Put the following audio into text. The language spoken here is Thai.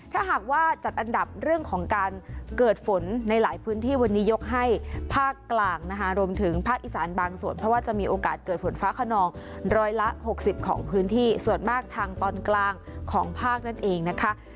ถ้าหากว่าจัดอันดับเรื่องของการเกิดฝนในหลายพื้นที่วันนี้ยกให้ภาคกลางนะคะรวมถึงภาคอีสานบางส่วนเพราะว่าจะมีโอกาสเกิดฝนฟ้าขนองร้อยละ๖๐ของพื้นที่ส่วนมากทางตอนกลางของภาคนั่นเองนะคะ